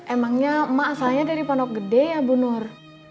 emangnya emak asalnya dari pondok gede ya bu nur